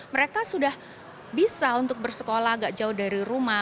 mereka sudah bisa untuk bersekolah agak jauh dari rumah